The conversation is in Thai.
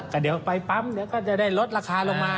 ก็เดี๋ยวไปปั๊มเดี๋ยวก็จะได้ลดราคาลงมา